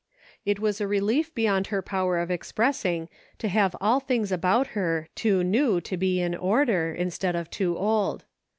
It was a relief beyond her power of expressing to have all things about her too new to be in order, instead of too old.